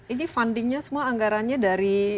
ini fundingnya semua anggarannya dari